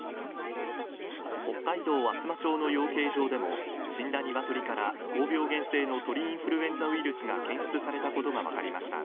北海道厚真町の養鶏場でも死んだニワトリから高病原性の鳥インフルエンザウイルスが検出されたことが分かりました